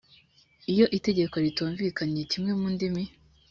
iyo itegeko ritumvikanye kimwe mu ndimi